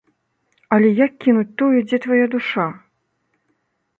Але як кінуць тое, дзе твая душа?